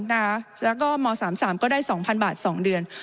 แล้วก็ม๓๓ก็ได้๒๐๐บาท๒เดือน